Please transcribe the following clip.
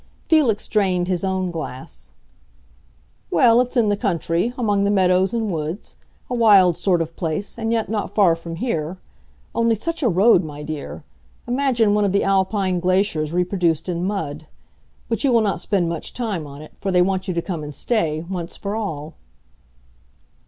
Felix drained his own glass. "Well, it's in the country, among the meadows and woods; a wild sort of place, and yet not far from here. Only, such a road, my dear! Imagine one of the Alpine glaciers reproduced in mud. But you will not spend much time on it, for they want you to come and stay, once for all."